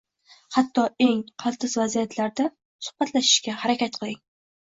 Hatto eng qaltis vaziyatlarda suhbatlashishga harakat qiling